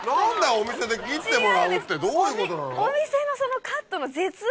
お店で切ってもらうってどういうことなの？